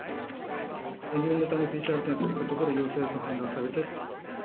入院のためＰＣＲ検査をしたところ、陽性と判断されて。